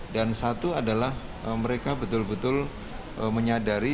dan satu adalah mereka betul betul menyadari